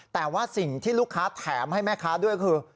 แต่ว่าสิ่งที่ลูกค้าแถมให้แม่ค้าด้วยคือ